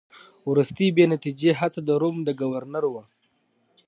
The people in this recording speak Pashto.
وروستۍ بې نتیجې هڅه د روم د ګورنر وه.